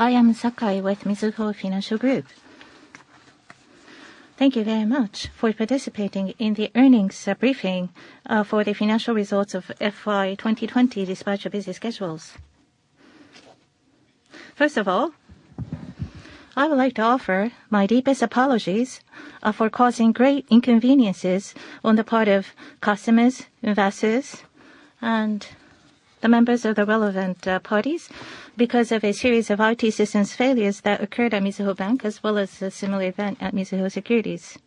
I am Sakai with Mizuho Financial Group. Thank you very much for participating in the earnings briefing for the financial results of FY 2020 despite your busy schedules. First of all, I would like to offer my deepest apologies for causing great inconveniences on the part of customers, investors, and the members of the relevant parties because of a series of IT systems failures that occurred at Mizuho Bank, as well as a similar event at Mizuho Securities.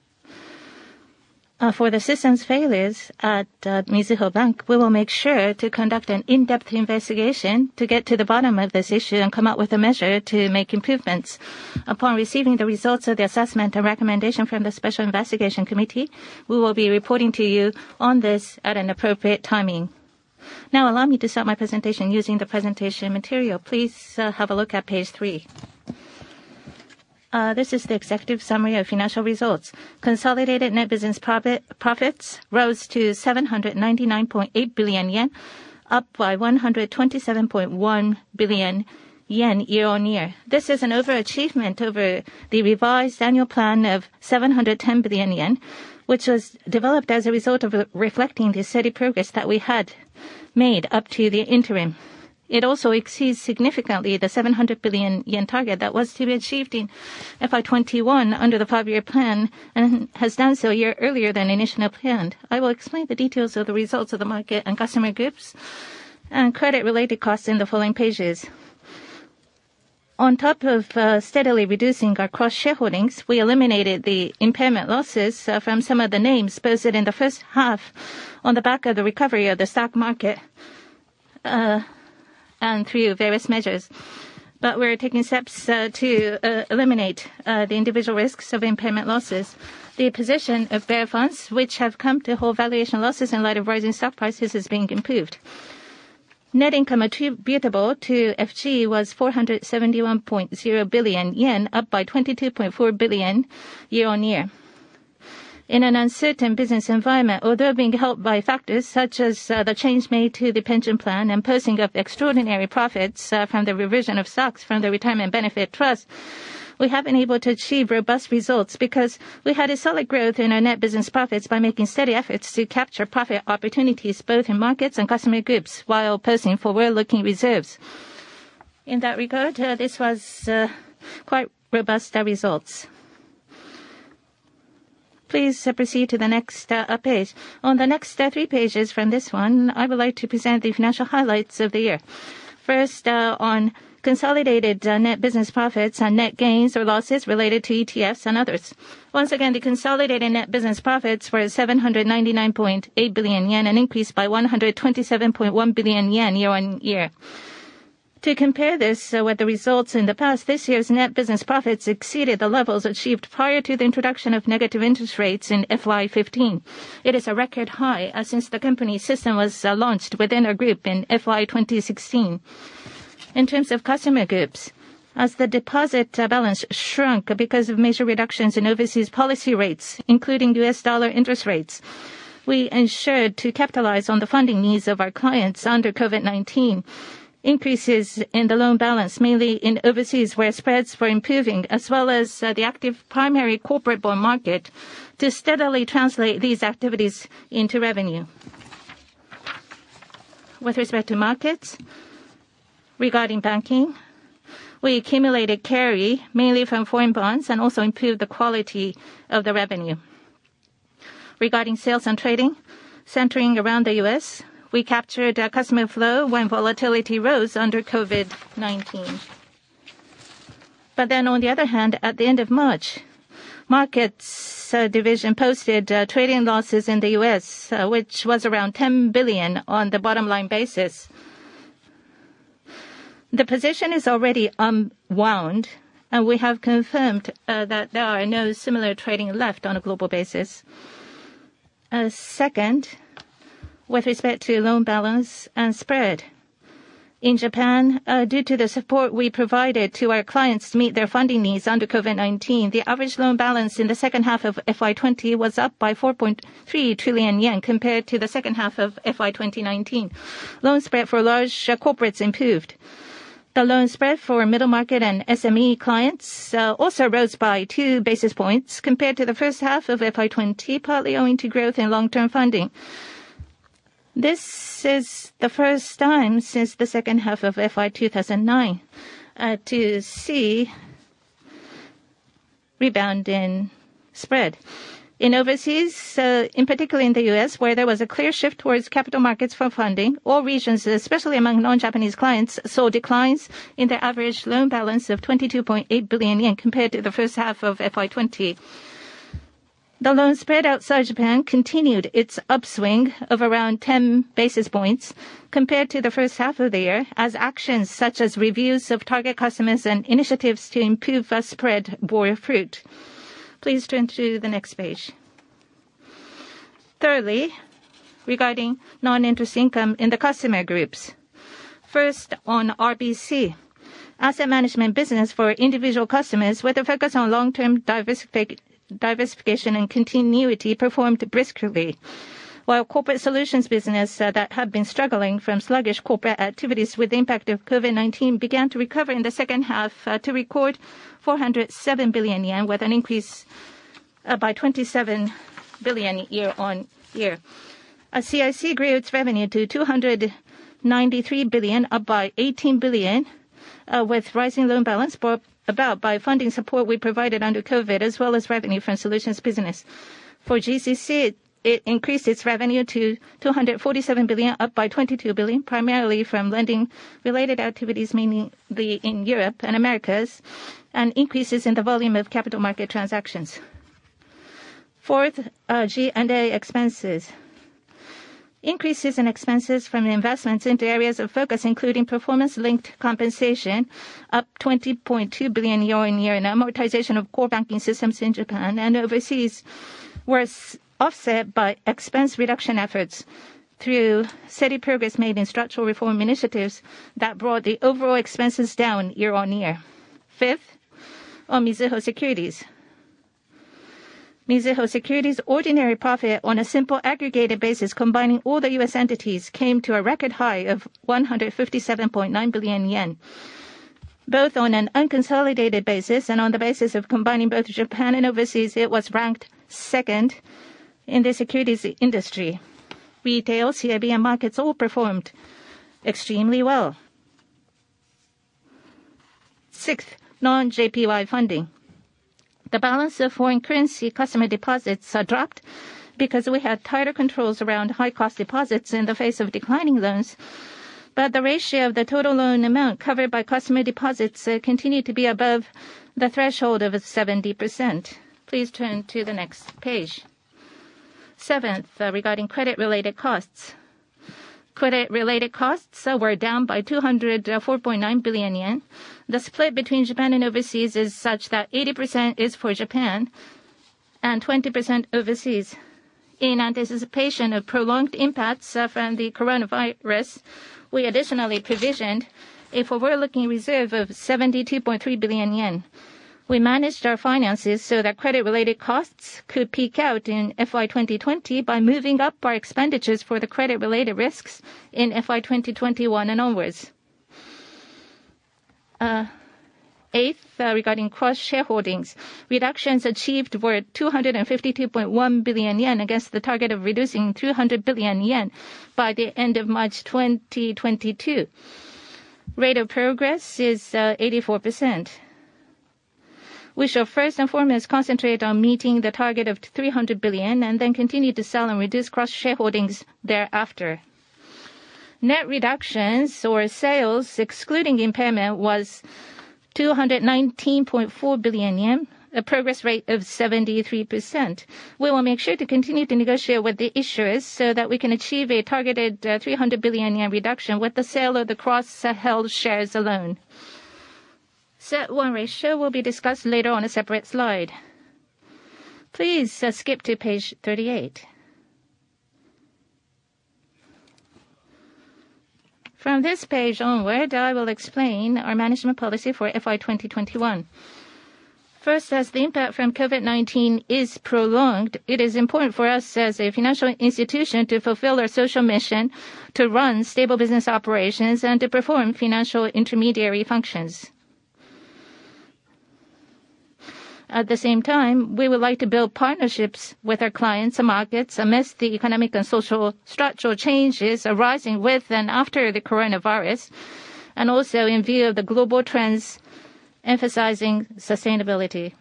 For the systems failures at Mizuho Bank, we will make sure to conduct an in-depth investigation to get to the bottom of this issue and come up with a measure to make improvements. Upon receiving the results of the assessment and recommendation from the special investigation committee, we will be reporting to you on this at an appropriate timing. Now, allow me to start my presentation using the presentation material. Please have a look at page three. This is the executive summary of financial results. Consolidated net business profits rose to 799.8 billion yen, up by 127.1 billion yen year-on-year. This is an overachievement over the revised annual plan of 710 billion yen, which was developed as a result of reflecting the steady progress that we had made up to the interim. It also exceeds significantly the 700 billion yen target that was to be achieved in FY 2021 under the five-year plan, and has done so a year earlier than initially planned. I will explain the details of the results of the market and customer groups and credit related costs in the following pages. On top of steadily reducing our cross-shareholdings, we eliminated the impairment losses from some of the names posted in the first half on the back of the recovery of the stock market, and through various measures. We're taking steps to eliminate the individual risks of impairment losses. The position of bond funds, which have come to hold valuation losses in light of rising stock prices, is being improved. Net income attributable to FG was 471.0 billion yen, up by 22.4 billion year-on-year. In an uncertain business environment, although being helped by factors such as the change made to the pension plan and posting of extraordinary profits from the reversion of stocks from the retirement benefit trust, we have been able to achieve robust results because we had a solid growth in our net business profits by making steady efforts to capture profit opportunities both in markets and customer groups, while posting for prudent reserves. In that regard, this was quite robust results. Please proceed to the next page. On the next three pages from this one, I would like to present the financial highlights of the year. First, on consolidated net business profits on net gains or losses related to ETFs and others. Once again, the consolidated net business profits were 799.8 billion yen, an increase by 127.1 billion yen year-on-year. To compare this with the results in the past, this year's net business profits exceeded the levels achieved prior to the introduction of negative interest rates in FY 2015. It is a record high since the company system was launched within our group in FY 2016. In terms of customer groups, as the deposit balance shrunk because of major reductions in overseas policy rates, including U.S. dollar interest rates, we ensured to capitalize on the funding needs of our clients under COVID-19. Increases in the loan balance, mainly in overseas, where spreads were improving, as well as the active primary corporate bond market to steadily translate these activities into revenue. With respect to markets, regarding banking, we accumulated carry mainly from foreign bonds and also improved the quality of the revenue. Regarding sales and trading, centering around the U.S., we captured a customer flow when volatility rose under COVID-19. On the other hand, at the end of March, markets division posted trading losses in the U.S., which was around JPY 10 billion on the bottom-line basis. The position is already unwound, and we have confirmed that there are no similar trading left on a global basis. Second, with respect to loan balance and spread. In Japan, due to the support we provided to our clients to meet their funding needs under COVID-19, the average loan balance in the second half of FY 2020 was up by 4.3 trillion yen compared to the second half of FY 2019. Loan spread for large corporates improved. The loan spread for middle market and SME clients also rose by two basis points compared to the first half of FY 2020, partly owing to growth in long-term funding. This is the first time since the second half of FY 2009 to see rebound in spread. In overseas, in particular in the U.S., where there was a clear shift towards capital markets for funding, all regions, especially among non-Japanese clients, saw declines in their average loan balance of 22.8 billion yen compared to the first half of FY 2020. The loan spread outside Japan continued its upswing of around 10 basis points compared to the first half of the year, as actions such as reviews of target customers and initiatives to improve spread bore fruit. Please turn to the next page. Thirdly, regarding non-interest income in the customer groups. First on RBC. Asset management business for individual customers with a focus on long-term diversification and continuity performed briskly. While corporate solutions business that had been struggling from sluggish corporate activities with the impact of COVID-19 began to recover in the second half to record 407 billion yen with an increase up by 27 billion year-on-year. CIC grew its revenue to 293 billion, up by 18 billion, with rising loan balance brought about by funding support we provided under COVID, as well as revenue from solutions business. For GCC, it increased its revenue to 247 billion, up by 22 billion, primarily from lending-related activities, mainly in Europe and Americas, and increases in the volume of capital market transactions. Fourth, our G&A expenses. Increases in expenses from investments into areas of focus, including performance-linked compensation, up JPY 20.2 billion year-on-year, and amortization of core banking systems in Japan and overseas, was offset by expense reduction efforts through steady progress made in structural reform initiatives that brought the overall expenses down year-on-year. Fifth, on Mizuho Securities. Mizuho Securities' ordinary profit on a simple aggregated basis combining all the U.S. entities, came to a record high of 157.9 billion yen. Both on an unconsolidated basis and on the basis of combining both Japan and overseas, it was ranked second in the securities industry. Retail, CIB, and markets all performed extremely well. Sixth, non-JPY funding. The balance of foreign currency customer deposits dropped because we had tighter controls around high-cost deposits in the face of declining loans, but the ratio of the total loan amount covered by customer deposits continued to be above the threshold of 70%. Please turn to the next page. Seventh, regarding credit-related costs. Credit-related costs were down by 204.9 billion yen. The split between Japan and overseas is such that 80% is for Japan and 20% overseas. In anticipation of prolonged impacts from the coronavirus, we additionally provisioned a forward-looking reserve of 72.3 billion yen. We managed our finances so that credit-related costs could peak out in FY 2020 by moving up our expenditures for the credit-related risks in FY 2021 and onwards. Eighth, regarding cross-shareholdings. Reductions achieved were 252.1 billion yen against the target of reducing 300 billion yen by the end of March 2022. Rate of progress is 84%. We shall first and foremost concentrate on meeting the target of 300 billion then continue to sell and reduce cross-shareholdings thereafter. Net reductions or sales, excluding impairment, was 219.4 billion yen, a progress rate of 73%. We will make sure to continue to negotiate with the issuers so that we can achieve a targeted 300 billion yen reduction with the sale of the cross-held shares alone. CET1 ratio will be discussed later on a separate slide. Please skip to page 38. From this page onward, I will explain our management policy for FY 2021. First, as the impact from COVID-19 is prolonged, it is important for us as a financial institution to fulfill our social mission, to run stable business operations, and to perform financial intermediary functions. At the same time, we would like to build partnerships with our clients and markets amidst the economic and social structural changes arising with and after the coronavirus, and also in view of the global trends emphasizing sustainability.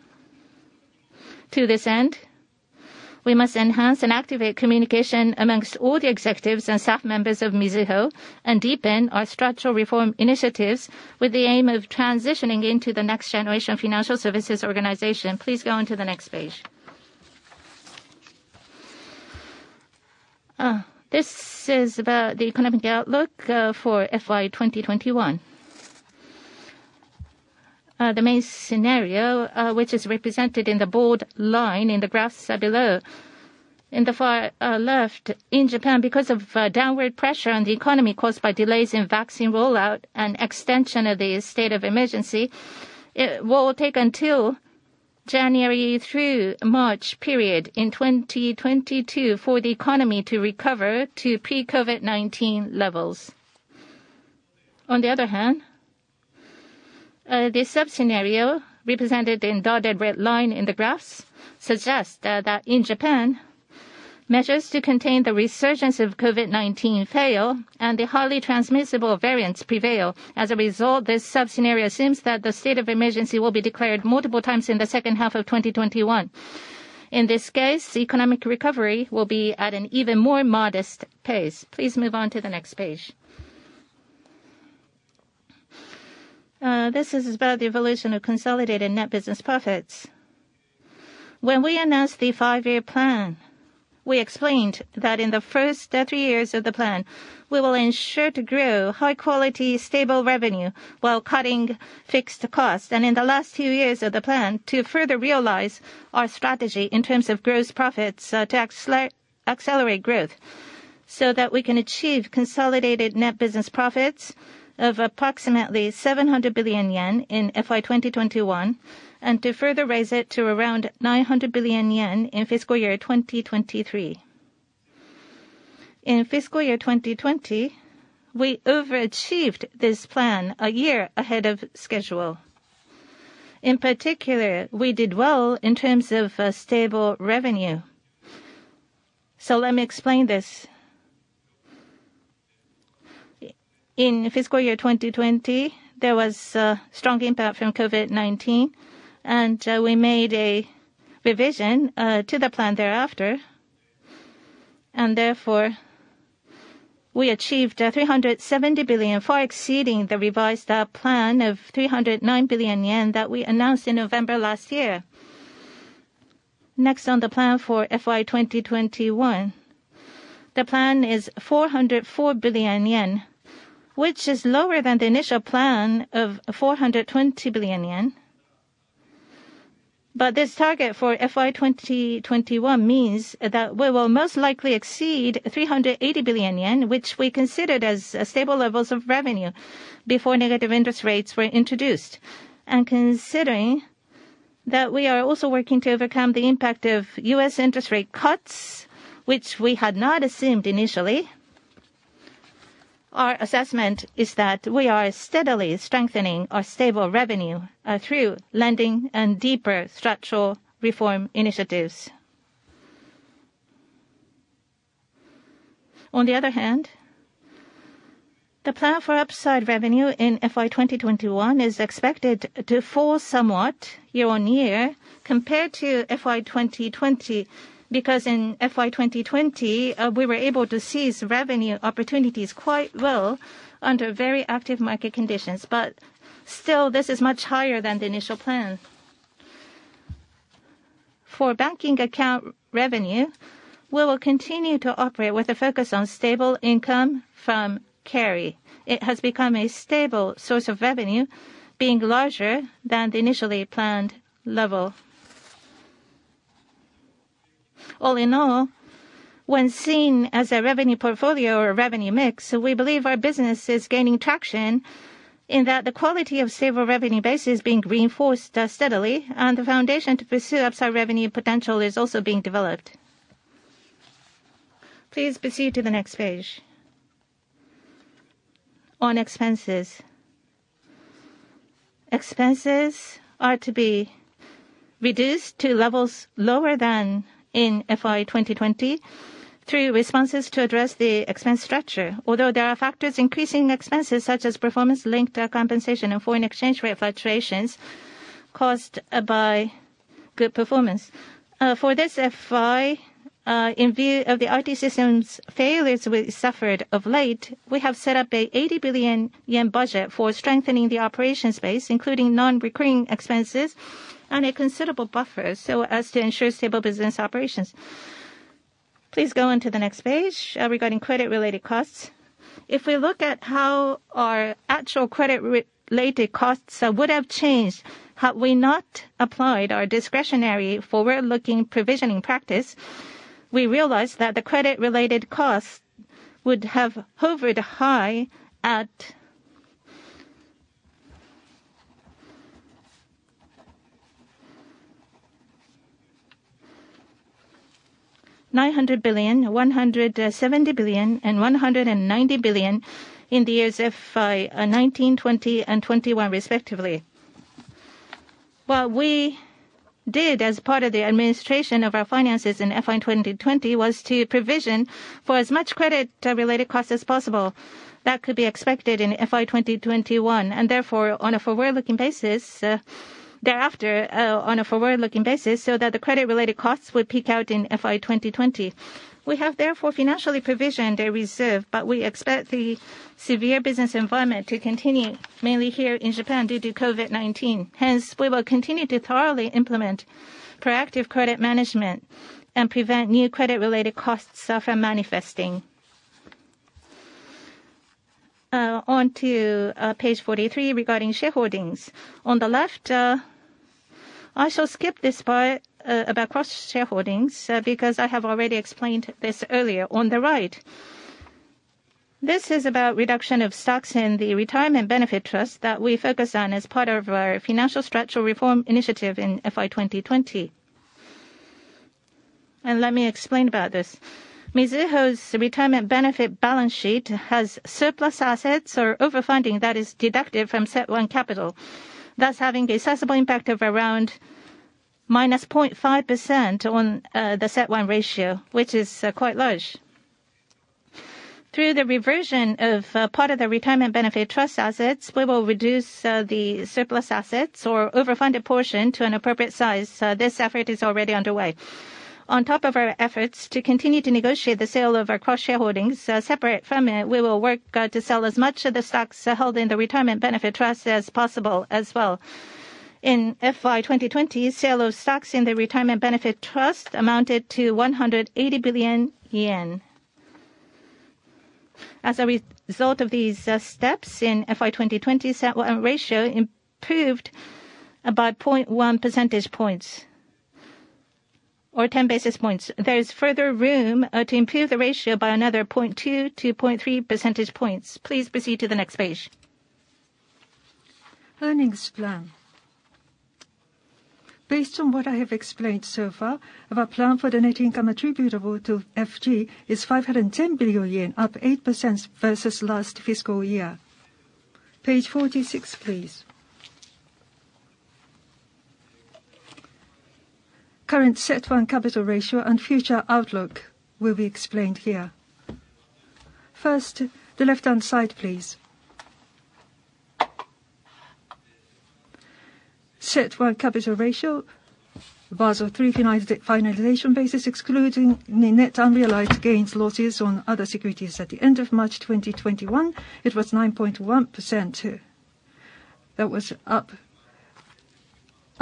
To this end, we must enhance and activate communication amongst all the executives and staff members of Mizuho and deepen our structural reform initiatives with the aim of transitioning into the next generation financial services organization. Please go on to the next page. This is about the economic outlook for FY 2021. The main scenario, which is represented in the bold line in the graphs below. In the far left, in Japan, because of downward pressure on the economy caused by delays in vaccine rollout and extension of the state of emergency, it will take until January through March period in 2022 for the economy to recover to pre-COVID-19 levels. On the other hand, this sub-scenario, represented in dotted red line in the graphs, suggests that in Japan, measures to contain the resurgence of COVID-19 fail, and the highly transmissible variants prevail. As a result, this sub-scenario assumes that the state of emergency will be declared multiple times in the second half of 2021. In this case, economic recovery will be at an even more modest pace. Please move on to the next page. This is about the evolution of consolidated net business profits. When we announced the five-year plan, we explained that in the first three years of the plan, we will ensure to grow high-quality, stable revenue while cutting fixed costs. In the last two years of the plan, to further realize our strategy in terms of gross profits, to accelerate growth so that we can achieve consolidated net business profits of approximately 700 billion yen in FY 2021, and to further raise it to around 900 billion yen in FY 2023. In FY 2020, we overachieved this plan a year ahead of schedule. In particular, we did well in terms of stable revenue. Let me explain this. In FY 2020, there was a strong impact from COVID-19, and we made a revision to the plan thereafter. Therefore, we achieved 370 billion, far exceeding the revised plan of 309 billion yen that we announced in November last year. Next on the plan for FY 2021. The plan is 404 billion yen, which is lower than the initial plan of 420 billion yen. This target for FY 2021 means that we will most likely exceed 380 billion yen, which we considered as stable levels of revenue before negative interest rates were introduced. Considering that we are also working to overcome the impact of U.S. interest rate cuts, which we had not assumed initially, our assessment is that we are steadily strengthening our stable revenue through lending and deeper structural reform initiatives. On the other hand, the plan for upside revenue in FY 2021 is expected to fall somewhat year-on-year compared to FY 2020, because in FY 2020, we were able to seize revenue opportunities quite well under very active market conditions. Still, this is much higher than the initial plan. For banking account revenue, we will continue to operate with a focus on stable income from carry. It has become a stable source of revenue, being larger than the initially planned level. All in all, when seen as a revenue portfolio or revenue mix, we believe our business is gaining traction in that the quality of stable revenue base is being reinforced steadily, and the foundation to pursue upside revenue potential is also being developed. Please proceed to the next page. On expenses. Expenses are to be reduced to levels lower than in FY 2020 through responses to address the expense structure. Although there are factors increasing expenses such as performance-linked compensation and foreign exchange rate fluctuations caused by good performance. For this FY, in view of the IT systems failures we suffered of late, we have set up a 80 billion yen budget for strengthening the operations base, including non-recurring expenses and a considerable buffer, so as to ensure stable business operations. Please go on to the next page regarding credit-related costs. If we look at how our actual credit-related costs would have changed had we not applied our discretionary forward-looking provisioning practice, we realized that the credit-related costs would have hovered high at 900 billion, 170 billion, and 190 billion in the years FY 2019, FY 2020, and FY 2021 respectively. What we did as part of the administration of our finances in FY 2020 was to provision for as much credit-related costs as possible that could be expected in FY 2021, and thereafter on a forward-looking basis so that the credit-related costs would peak out in FY 2020. We have therefore financially provisioned a reserve, but we expect the severe business environment to continue mainly here in Japan due to COVID-19. Hence, we will continue to thoroughly implement proactive credit management and prevent new credit-related costs from manifesting. On to page 43 regarding shareholdings. On the left, I shall skip this part about cross-shareholdings because I have already explained this earlier. On the right, this is about reduction of stocks in the retirement benefit trust that we focused on as part of our financial structural reform initiative in FY 2020. Let me explain about this. Mizuho's retirement benefit balance sheet has surplus assets or over-funding that is deducted from CET1 capital, thus having a sizable impact of around -0.5% on the CET1 ratio, which is quite large. Through the reversion of part of the retirement benefit trust assets, we will reduce the surplus assets or over-funded portion to an appropriate size. This effort is already underway. On top of our efforts to continue to negotiate the sale of our cross-shareholdings separate from it, we will work to sell as much of the stocks held in the retirement benefit trust as possible as well. In FY 2020, sale of stocks in the retirement benefit trust amounted to 180 billion yen. As a result of these steps in FY 2020, CET1 ratio improved by 0.1 percentage points or 10 basis points. There is further room to improve the ratio by another 0.2 percentage points to 0.3 percentage points. Please proceed to the next page. Earnings plan. Based on what I have explained so far, our plan for the net income attributable to FG is 510 billion yen, up 8% versus last fiscal year. Page 46, please. Current CET1 capital ratio and future outlook will be explained here. First, the left-hand side, please. CET1 capital ratio, Basel III finalization basis, excluding the net unrealized gains/losses on other securities at the end of March 2021, it was 9.1%. That was up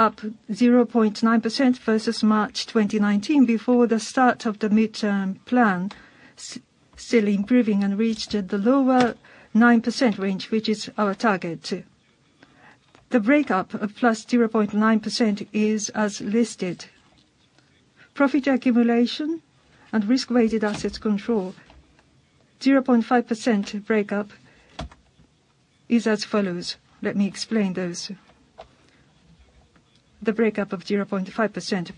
0.9% versus March 2019 before the start of the midterm plan, still improving and reached the lower 9% range, which is our target. The breakup of +0.9% is as listed. Profit accumulation and risk-weighted assets control, 0.5% breakup is as follows. Let me explain those. The breakup of 0.5%.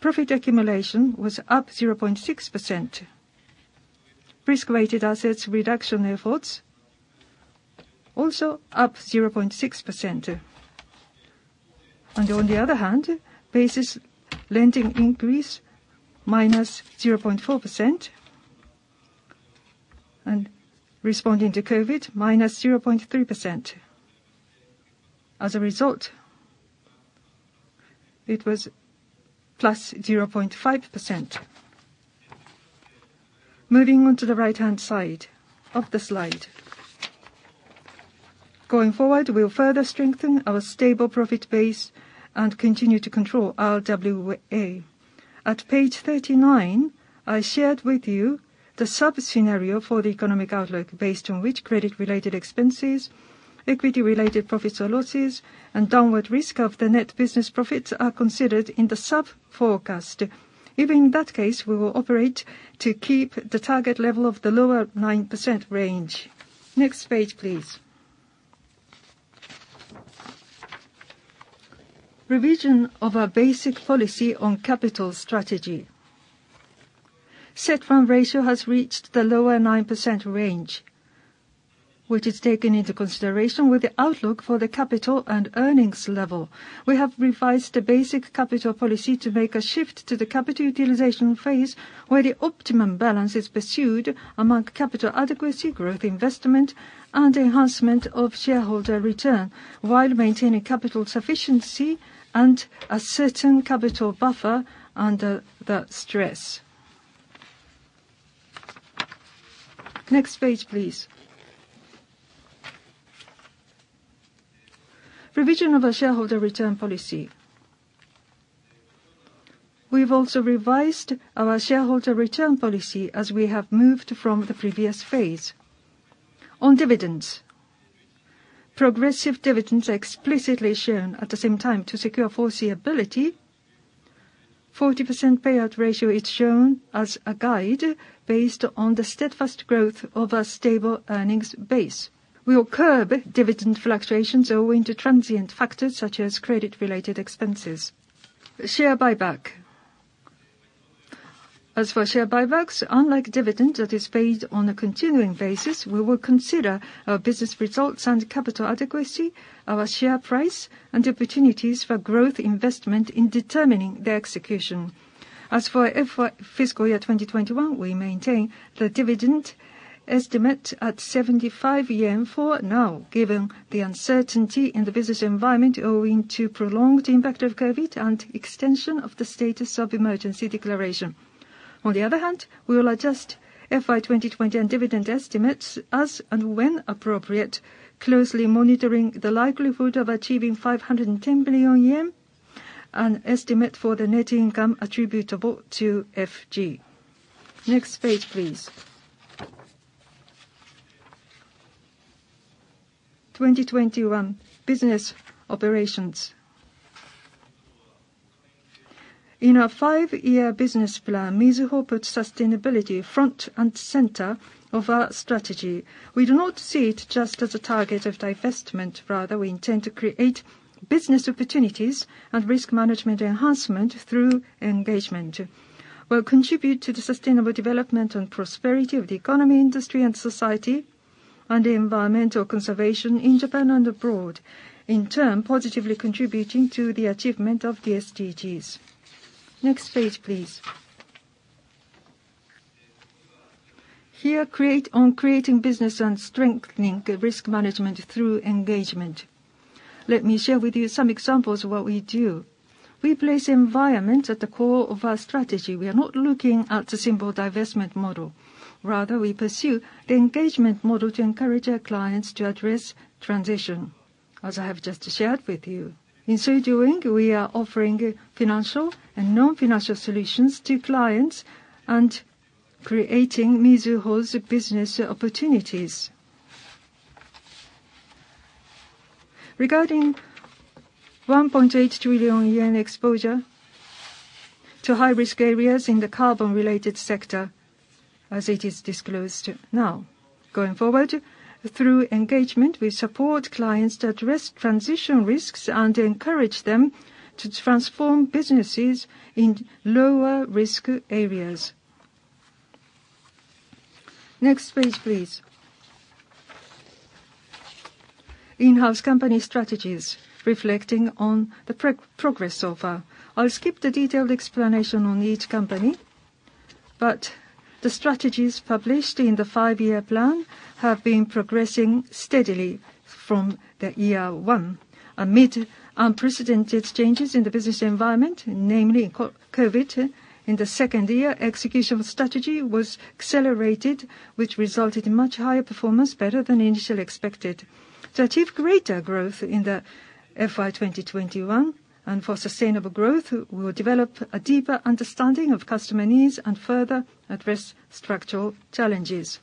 Profit accumulation was up 0.6%. Risk-weighted assets reduction efforts also up 0.6%. On the other hand, basis lending increase -0.4%, and responding to COVID-19, -0.3%. As a result, it was +0.5%. Moving on to the right-hand side of the slide. Going forward, we'll further strengthen our stable profit base and continue to control our RWA. At page 39, I shared with you the sub-scenario for the economic outlook based on which credit-related expenses, equity-related profits or losses, and downward risk of the net business profits are considered in the sub-forecast. Even in that case, we will operate to keep the target level of the lower 9% range. Next page, please. Revision of our basic policy on capital strategy. CET1 ratio has reached the lower 9% range, which is taken into consideration with the outlook for the capital and earnings level. We have revised the basic capital policy to make a shift to the capital utilization phase, where the optimum balance is pursued among capital adequacy, growth investment, and enhancement of shareholder return while maintaining capital sufficiency and a certain capital buffer under the stress. Next page, please. Revision of our shareholder return policy. We've also revised our shareholder return policy as we have moved from the previous phase. On dividends, progressive dividends are explicitly shown at the same time to secure foreseeability. 40% payout ratio is shown as a guide based on the steadfast growth of our stable earnings base. We will curb dividend fluctuations owing to transient factors such as credit-related expenses. Share buyback. As for share buybacks, unlike dividend that is paid on a continuing basis, we will consider our business results and capital adequacy, our share price, and opportunities for growth investment in determining the execution. As for FY 2021, we maintain the dividend estimate at 75 yen for now, given the uncertainty in the business environment owing to prolonged impact of COVID-19 and extension of the status of emergency declaration. On the other hand, we will adjust FY 2020 and dividend estimates as and when appropriate, closely monitoring the likelihood of achieving 510 billion yen, an estimate for the net income attributable to FG. Next page, please. 2021 business operations. In our 5-Year Business Plan, Mizuho puts sustainability front and center of our strategy. We do not see it just as a target of divestment. Rather, we intend to create business opportunities and risk management enhancement through engagement. We'll contribute to the sustainable development and prosperity of the economy, industry, and society, and environmental conservation in Japan and abroad, in turn positively contributing to the achievement of the SDGs. Next page, please. Here, on creating business and strengthening risk management through engagement. Let me share with you some examples of what we do. We place environment at the core of our strategy. We are not looking at the simple divestment model. Rather, we pursue the engagement model to encourage our clients to address transition, as I have just shared with you. In so doing, we are offering financial and non-financial solutions to clients and creating Mizuho's business opportunities. Regarding 1.8 trillion yen exposure to high-risk areas in the carbon-related sector, as it is disclosed now. Through engagement, we support clients to address transition risks and encourage them to transform businesses in lower-risk areas. Next page, please. In-house company strategies reflecting on the progress so far. I'll skip the detailed explanation on each company, the strategies published in the 5-Year Plan have been progressing steadily from year one. Amid unprecedented changes in the business environment, namely COVID-19, in the second year, the execution strategy was accelerated, which resulted in much higher performance, better than initially expected. To achieve greater growth in FY 2021, and for sustainable growth, we'll develop a deeper understanding of customer needs and further address structural challenges.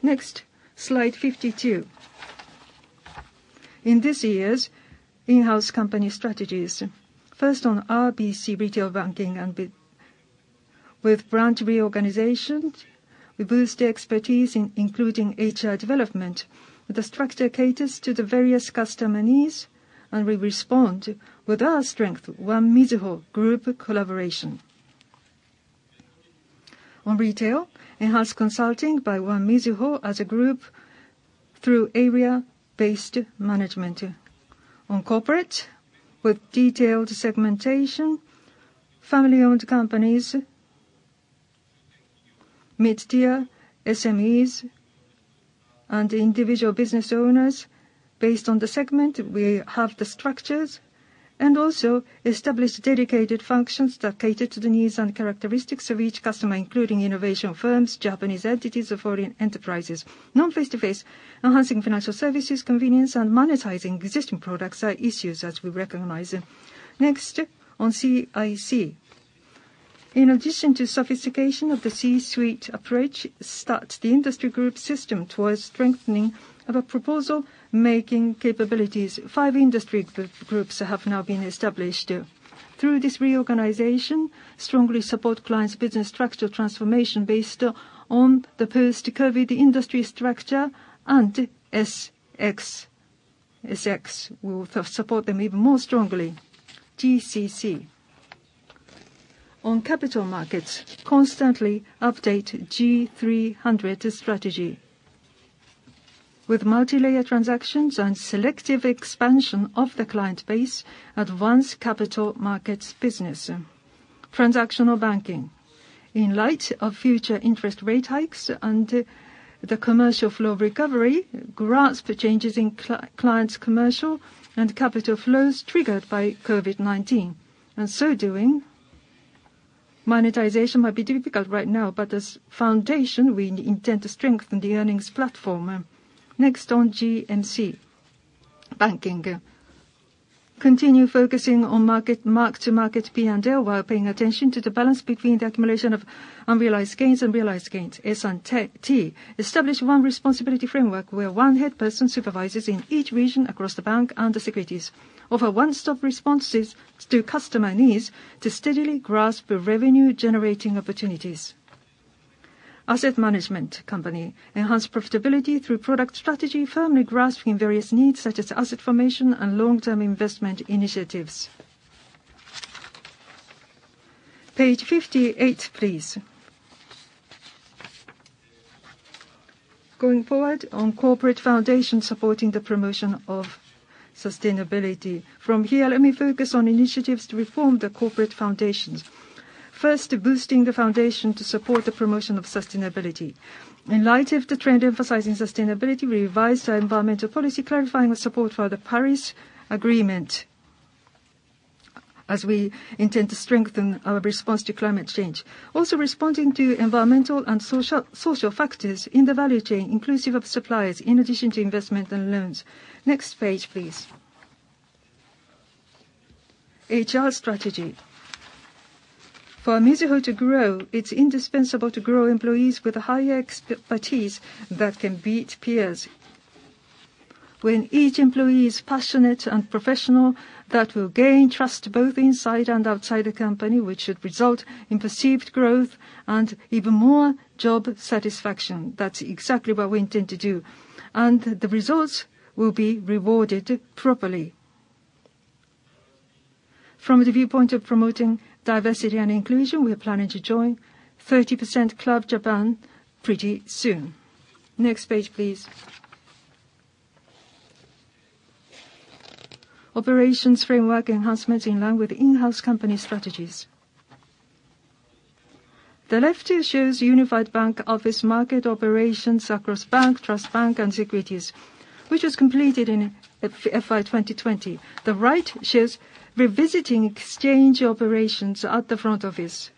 Next, slide 52. In this year's in-house company strategies. First on RBC Retail Banking. With branch reorganization, we boost expertise including HR development. The structure caters to the various customer needs, and we respond with our strength, One Mizuho Group collaboration. On retail, in-house consulting by One Mizuho as a group through area-based management. On corporate, with detailed segmentation, family-owned companies, mid-tier SMEs, and individual business owners. Based on the segment, we have the structures and also established dedicated functions that cater to the needs and characteristics of each customer, including innovation firms, Japanese entities, or foreign enterprises. Non-face-to-face enhancing financial services convenience and monetizing existing products are issues as we recognize them. Next, on CIC. In addition to sophistication of the C-suite approach, starts the industry group system towards strengthening of a proposal-making capabilities. Five industry groups have now been established. Through this reorganization, strongly support clients' business structure transformation based on the post-COVID-19 industry structure and SX. We will support them even more strongly. GCC. On capital markets, constantly update G300 strategy. With multi-layer transactions and selective expansion of the client base, advance capital markets business. Transactional banking. In light of future interest rate hikes and the commercial flow recovery, grasp the changes in clients' commercial and capital flows triggered by COVID-19. In so doing, monetization might be difficult right now, but as a foundation, we intend to strengthen the earnings platform. Next on GMC. Banking. Continue focusing on mark-to-market P&L while paying attention to the balance between the accumulation of unrealized gains and realized gains. S&T. Establish one responsibility framework where one head person supervises in each region across the bank and the securities. Offer one-stop responses to customer needs to steadily grasp revenue-generating opportunities. Asset management company. Enhance profitability through product strategy, firmly grasping various needs such as asset formation and long-term investment initiatives. Page 58, please. Going forward on corporate foundation supporting the promotion of sustainability. From here, let me focus on initiatives to reform the corporate foundation. First, boosting the foundation to support the promotion of sustainability. In light of the trend emphasizing sustainability, revise our environmental policy, clarifying the support for the Paris Agreement as we intend to strengthen our response to climate change. Responding to environmental and social factors in the value chain, inclusive of suppliers, in addition to investment and loans. Next page, please. HR strategy. For Mizuho to grow, it's indispensable to grow employees with high expertise that can beat peers. When each employee is passionate and professional, that will gain trust both inside and outside the company, which would result in perceived growth and even more job satisfaction. That's exactly what we intend to do, and the results will be rewarded properly. From the viewpoint of promoting diversity and inclusion, we are planning to join 30% Club Japan pretty soon. Next page, please. Operations framework enhancement in line with in-house company strategies. The left shows unified bank office market operations across bank, trust bank, and securities, which was completed in FY 2020. The right shows revisiting exchange operations at the front office.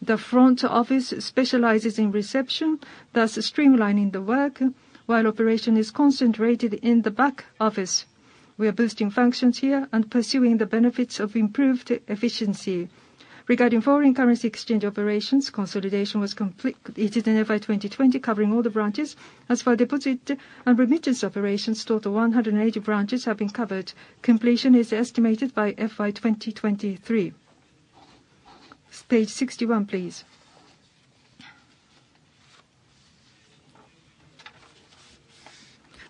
The front office specializes in reception, thus streamlining the work, while operation is concentrated in the back office. We are boosting functions here and pursuing the benefits of improved efficiency. Regarding foreign currency exchange operations, consolidation was completed in FY 2020, covering all the branches. As for deposit and remittance operations, though, the 180 branches have been covered. Completion is estimated by FY 2023. Page 61, please.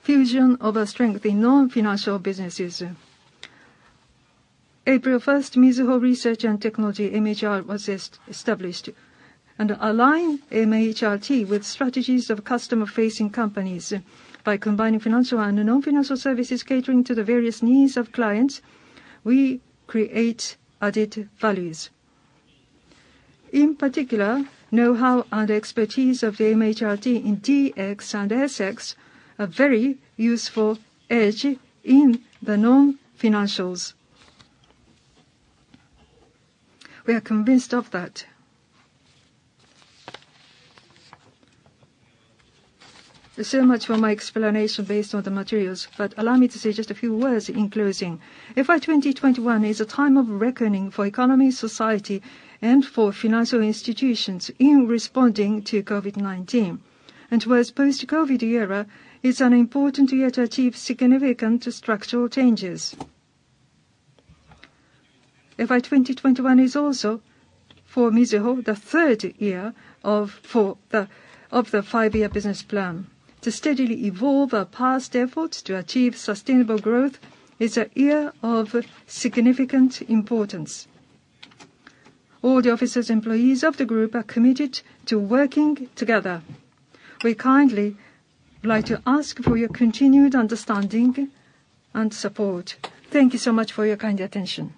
Fusion of the strength in non-financial businesses. April 1st, Mizuho Research & Technologies, MHRT, was established. Align MHRT with strategies of customer-facing companies. By combining financial and non-financial services catering to the various needs of clients, we create added values. In particular, know-how and expertise of the MHRT in DX and SX are a very useful edge in the non-financials. We are convinced of that. That's it much for my explanation based on the materials, but allow me to say just a few words in closing. FY2021 is a time of reckoning for economy, society, and for financial institutions in responding to COVID-19. Towards post-COVID era, it's an important year to achieve significant structural changes. FY 2021 is also, for Mizuho, the third year of the 5-Year Business Plan. To steadily evolve our past efforts to achieve sustainable growth is a year of significant importance. All the officers and employees of the group are committed to working together. We kindly would like to ask for your continued understanding and support. Thank you so much for your kind attention.